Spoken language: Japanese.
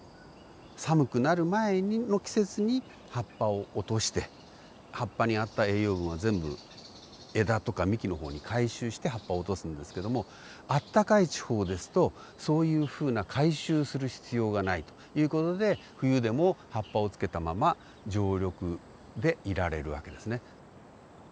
寒くなる前の季節に葉っぱを落として葉っぱにあった栄養分は全部枝とか幹の方に回収して葉っぱを落とすんですけどもあったかい地方ですとそういうふうな回収する必要がないという事で冬でも葉っぱをつけたまま常緑でいられる訳ですね。